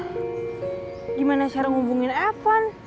yah gimana cara ngubungin evan